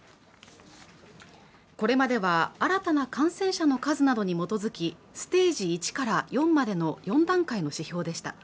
これまでは新たな感染者の数などに基づきステージ１から４までの４段階の指標でした